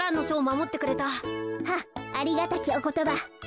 はっありがたきおことば。